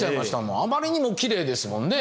あまりにもきれいですもんね。